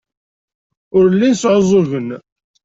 Ur llin sɛuẓẓugen.